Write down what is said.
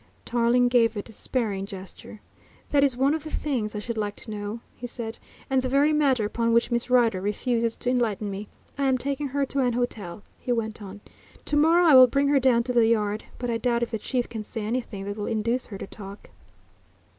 Tarling gave a despairing gesture. "That is one of the things I should like to know," he said, "and the very matter upon which Miss Rider refuses to enlighten me. I am taking her to an hotel," he went on. "To morrow I will bring her down to the Yard. But I doubt if the Chief can say anything that will induce her to talk."